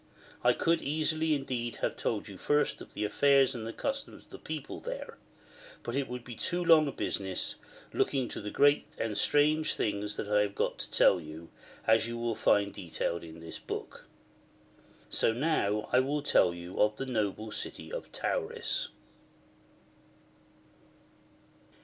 I could easily indeed have told you first of the affairs and the customs of the people there. But it would be too long a business, looking' to the great and strange things that I have got to tell you, as you will find detailed in this" Book. So now I will tell you of the noble city of Tauris.